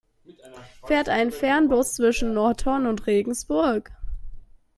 Fährt ein Fernbus zwischen Nordhorn und Regensburg?